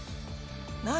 何？